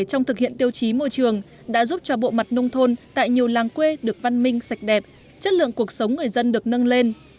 trong thực hiện tiêu chí môi trường đã giúp cho bộ mặt nông thôn tại nhiều làng quê được văn minh sạch đẹp chất lượng cuộc sống người dân được nâng lên